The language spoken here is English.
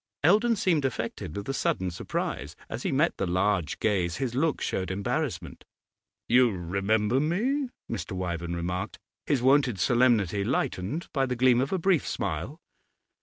Eldon seemed affected with a sudden surprise; as he met the large gaze his look showed embarrassment. 'You remember me?' Mr. Wyvern remarked, his wonted solemnity lightened by the gleam of a brief smile.